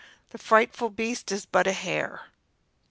The frightful beast is but a hare!"